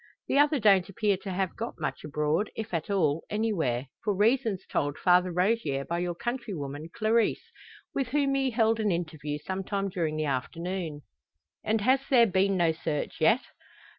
The other don't appear to have got much abroad, if at all, anywhere for reasons told Father Rogier by your countrywoman, Clarisse, with whom he held an interview sometime during the afternoon." "And has there been no search yet?"